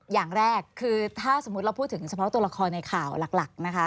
อย่างแรกคือถ้าสมมุติเราพูดถึงเฉพาะตัวละครในข่าวหลักนะคะ